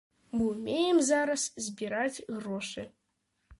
Мы ўмеем зараз збіраць грошы.